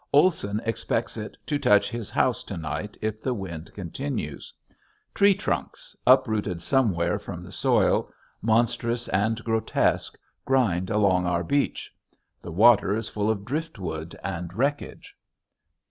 Olson expects it to touch his house to night if the wind continues. Tree trunks, uprooted somewhere from the soil, monstrous and grotesque, grind along our beach; the water is full of driftwood and wreckage.